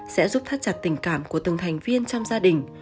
sẽ giúp thắt chặt tình cảm của từng thành viên trong gia đình